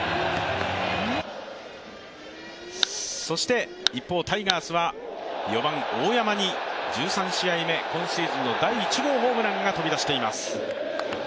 そして一方タイガースは４番・大山に、１３試合目今シーズンの第１号ホームランが飛び出しています。